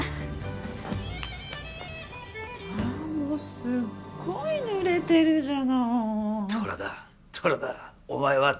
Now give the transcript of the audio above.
もうすっごいぬれてるじゃない。